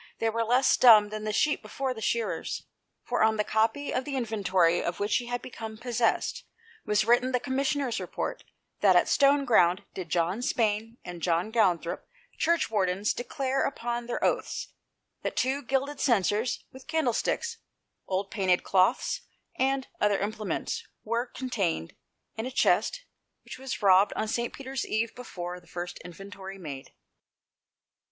They were less dumb than sheep before the shearers. For, on the copy of the inventory of which he had become possessed, was written the Com missioners' Report that "at Stoneground did "John Spayn and John Gounthropp, Church " wardens, declare upon their othes that two " gilded senseres with candellstickes, old paynted " clothes, and other implements, were contayned "in a chest which was robbed on St. Peter's " Eve before the first inventorye made."